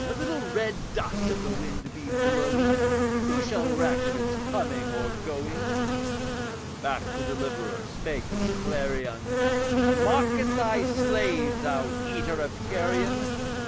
A little red dust, if the wind be blowing Who shall reck of its coming or going?' Back the Deliverer spake as a clarion, 'Mock at thy slaves, thou eater of carrion!